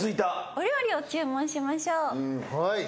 お料理を注文しましょう。